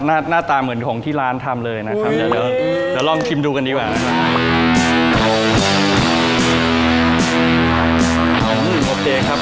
หน้าหน้าตาเหมือนของที่ร้านทำเลยนะครับเดี๋ยวลองชิมดูกันดีกว่านะครับ